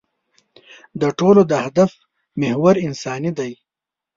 د ټولو د هدف محور انساني دی.